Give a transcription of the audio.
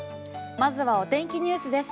まずはお天気ニュースです。